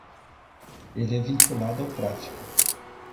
Ele é vinculado ao tráfico.